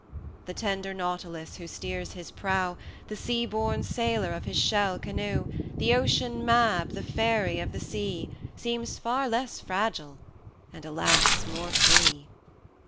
The tender nautilus, who steers his prow, The sea born sailor of his shell canoe, The ocean Mab, the fairy of the sea, Seems far less fragile, and, alas! more free.